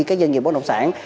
các doanh nghiệp bất đồng sản